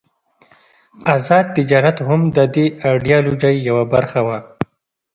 آزاد تجارت هم د دې ایډیالوژۍ یوه برخه وه.